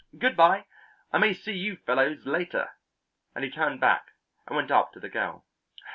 Good bye. I may see you fellows later," and he turned back and went up to the girl.